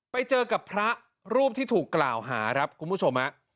ไปเจอกับพระรูปที่ถูกกล่าวหาครับคุณผู้ชมฮะ